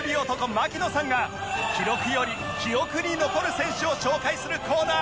槙野さんが記録より記憶に残る選手を紹介するコーナー！